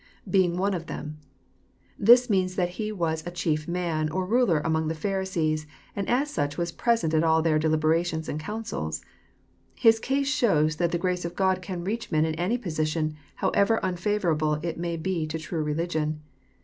ipeing one of them,'] This means that he was a chief man, or ! mler among tiie Pharisees, and as such was present at all their deliberations and counsels. His case shows that the grace ol God can reach men in any position, however nnfavonrable it may be to true religion.